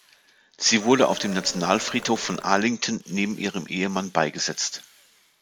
Sie wurde auf dem Nationalfriedhof von Arlington neben ihrem Ehemann beigesetzt.